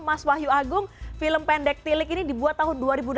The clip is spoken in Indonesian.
mas wahyu agung film pendek tilik ini dibuat tahun dua ribu delapan belas